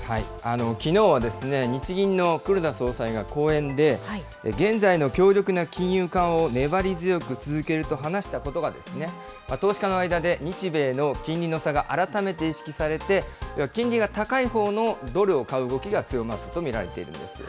きのうは日銀の黒田総裁が講演で、現在の強力な金融緩和を粘り強く続けると話したことが、投資家の間で日米の金利の差が改めて意識されて、金利が高い方のドルを買う動きが強まったと見られているんです。